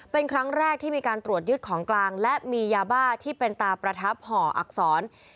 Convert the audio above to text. เป็นครั้งแรกที่มีการตรวจยึดของกลางและมียาบ้าที่เป็นตาประทับห่ออักษร